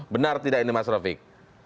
benar tidak ini mas rofiq